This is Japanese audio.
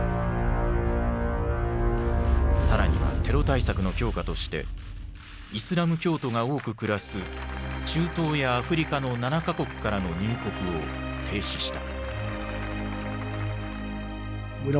更にはテロ対策の強化としてイスラム教徒が多く暮らす中東やアフリカの７か国からの入国を停止した。